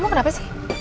kamu kenapa sih